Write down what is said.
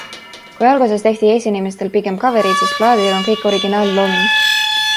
Kui alguses tehti esinemistel pigem kavereid, siis plaadil on kõik originaallooming.